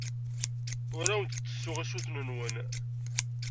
Ur awen-d-ttessuɣ usuten-nwen.